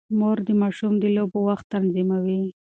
مور د ماشوم د لوبو وخت تنظیموي.